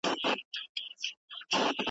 په دواړو شعرونو کي `